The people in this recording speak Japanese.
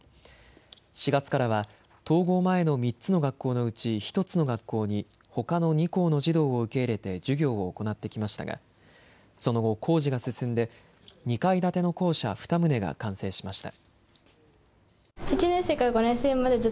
４月からは統合前の３つの学校のうち、１つの学校にほかの２校の児童を受け入れて授業を行ってきましたがその後、工事が進んで２階建ての校舎２棟が完成しました。